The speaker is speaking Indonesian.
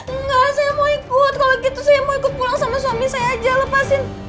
enggak saya mau ikut kalau gitu saya mau ikut pulang sama suami saya aja lepasin